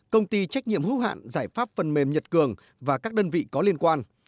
công ty trách nhiệm hữu hạn giải pháp phần mềm nhật cường và các đơn vị có liên quan